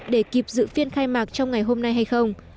để kịp dự phiên khai mạc trong ngày hôm nay hay không